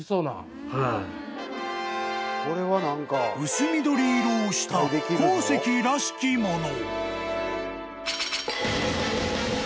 ［薄緑色をした鉱石らしきもの］